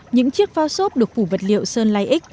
những chiếc phao xốp được phủ vật liệu sơn lai ích